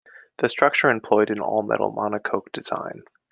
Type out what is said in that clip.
The structure employed an all-metal monocoque design.